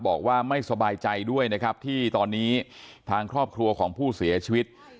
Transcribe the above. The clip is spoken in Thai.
บอกว่าไม่สบายใจด้วยนะครับที่ตอนนี้ทางครอบครัวของผู้เสียชีวิต